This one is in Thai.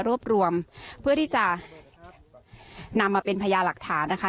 รวมเพื่อที่จะนำมาเป็นพยาหลักฐานนะคะ